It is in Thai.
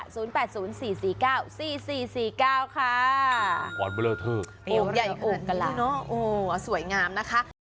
ศูนย์แปดศูนย์สี่สี่เก้าสี่สี่สี่เก้าค่ะบอร์ดเบอร์เลอร์เทิกโอ่งใหญ่ขนาดนี้เนอะโอ่งสวยงามนะคะ